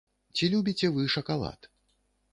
Ці любіце вы шакалад?